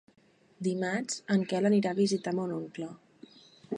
Dimarts en Quel anirà a visitar mon oncle.